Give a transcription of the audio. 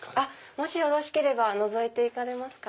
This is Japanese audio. もしよろしければのぞいて行かれますか？